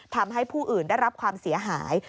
ทำให้ผู้อื่นได้รับความเสียหาย